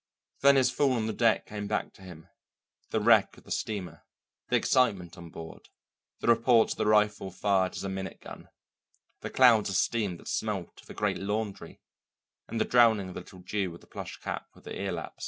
Then his fall on the deck came back to him, the wreck of the steamer, the excitement on board, the reports of the rifle fired as a minute gun, the clouds of steam that smelt of a great laundry, and the drowning of the little Jew of the plush cap with the ear laps.